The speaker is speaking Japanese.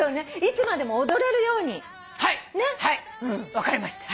分かりました。